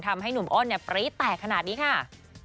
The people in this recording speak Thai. ก็ทำให้หนุ่มโอนมีกแปลกขนาดนี้ค่ะ